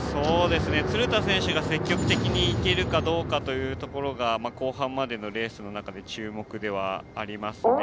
鶴田選手が積極的にいけるかどうかというところが後半までのレースの中で注目ではありますね。